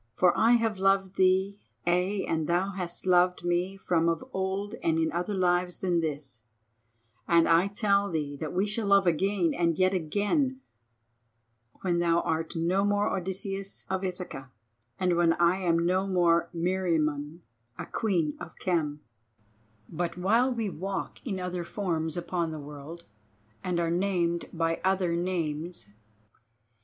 For I have loved thee, ay, and thou hast loved me from of old and in other lives than this, and I tell thee that we shall love again and yet again when thou art no more Odysseus of Ithaca, and when I am no more Meriamun, a Queen of Khem, but while we walk in other forms upon the world and are named by other names.